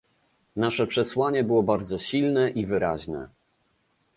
Nasze przesłanie było bardzo silne i wyraźne